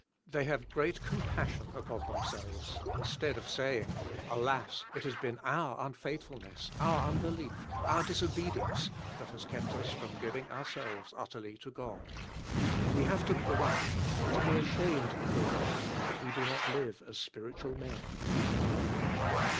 They have great compassion upon them selves, instead of saying, "Alas! it has been our unfaithfulness, our unbelief, our disobedience, that has kept us from giving ourselves utterly to God. We have to blush and to be ashamed before God that we do not live as spiritual men."